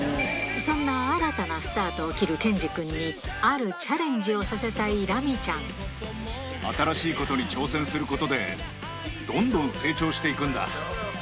そんな新たなスタートを切る剣侍くんに、あるチャレンジをさせた新しいことに挑戦することで、どんどん成長していくんだ。